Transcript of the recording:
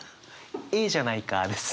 「ええじゃないか」です。